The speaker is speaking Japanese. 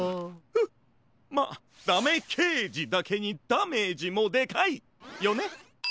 フッまっだめけいじだけにダメージもでかいよね！